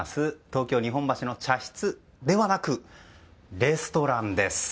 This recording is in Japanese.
東京・日本橋の茶室ではなくレストランです。